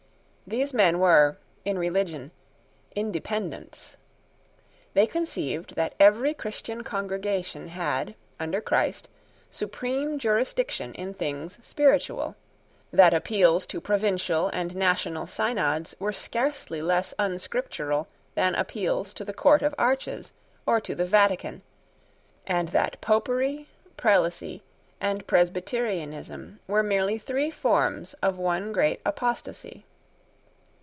These men were, in religion, Independents. They conceived that every Christian congregation had, under Christ, supreme jurisdiction in things spiritual; that appeals to provincial and national synods were scarcely less unscriptural than appeals to the Court of Arches, or to the Vatican; and that Popery, Prelacy, and Presbyterianism were merely three forms of one great apostasy.